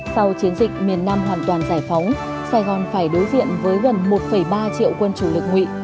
sau chiến dịch miền nam hoàn toàn giải phóng sài gòn phải đối diện với gần một ba triệu quân chủ lực nguy